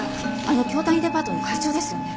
あの京谷デパートの会長ですよね。